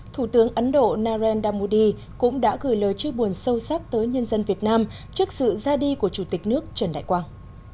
thủ tướng ấn độ narendra modi cũng đã gửi lời chiêu buồn sâu sắc tới nhân dân việt nam trước sự ra đi của chủ tịch nước trần đại quang